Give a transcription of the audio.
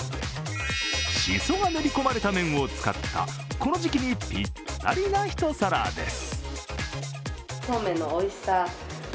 しそが練り込まれた麺を使ったこの時期にぴったりな一皿です。